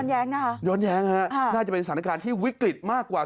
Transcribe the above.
แย้งนะคะย้อนแย้งฮะน่าจะเป็นสถานการณ์ที่วิกฤตมากกว่า